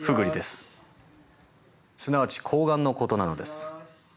すなわち睾丸のことなのです。